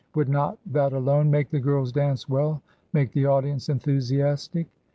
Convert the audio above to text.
would not that alone make the girls dance well, make the audience enthusiastic?